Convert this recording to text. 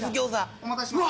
お待たせしました。